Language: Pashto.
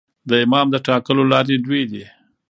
د امام د ټاکلو لاري دوې دي.